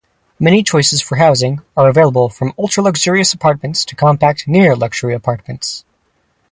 Many choices for housing are available, from ultra-luxurious apartments to compact, near-luxury apartments.